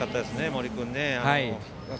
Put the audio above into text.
森君。